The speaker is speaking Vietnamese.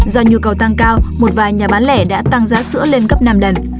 do nhu cầu tăng cao một vài nhà bán lẻ đã tăng giá sữa lên gấp năm lần